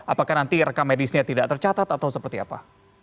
apakah nanti rekam medisnya tidak tercatat atau seperti apa